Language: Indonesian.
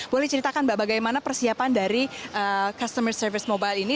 boleh ceritakan mbak bagaimana persiapan dari customer service mobile ini